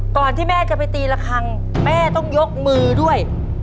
ก่อนที่แม่จะไปตีละครั้งแม่ต้องยกมือด้วย